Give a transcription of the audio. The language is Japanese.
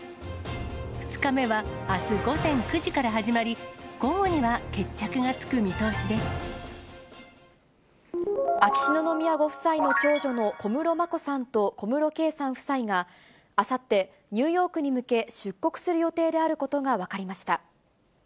２日目は、あす午前９時から始まり、秋篠宮ご夫妻の長女の小室眞子さんと小室圭さん夫妻が、あさって、ニューヨークに向け、出国する予定であることが分かりました。